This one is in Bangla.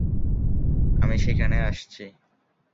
আমি সেখানে আসছি।